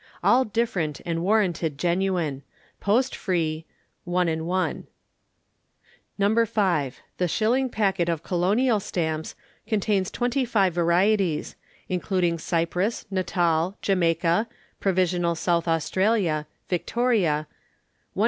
All different and warranted genuine. Post free, 1/1. No. 5. The Shilling Packet of Colonial Stamps contains 25 varieties, including Cyprus, Natal, Jamaica, provisional South Australia, Victoria 1/2d.